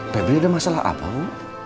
tapi ada masalah apa bu